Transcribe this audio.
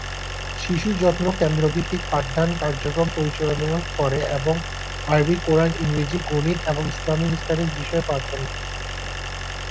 শিশু যত্ন কেন্দ্র ভিত্তিক পাঠদান কার্যক্রম পরিচালনা করে এবং আরবি, কুরআন, ইংরেজি, গণিত এবং ইসলামিক স্টাডিজ বিষয়ে পাঠদান করে।